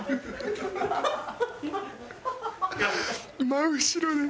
真後ろで。